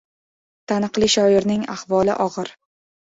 Taniqli shoirning ahvoli og‘ir.